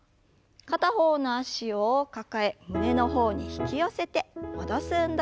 片方の脚を抱え胸の方に引き寄せて戻す運動です。